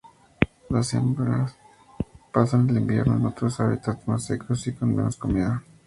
Las hembras pasan el invierno en otros hábitats más secos y con menos comida.